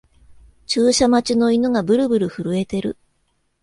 注射待ちの犬がブルブル震えてる